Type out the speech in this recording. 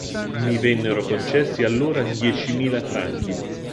Mi vennero concessi allora diecimila franchi.